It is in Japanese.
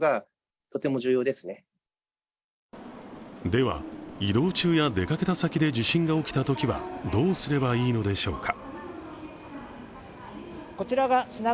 では、移動中や出かけた先で地震が起きたときはどうすればいいのでしょうか。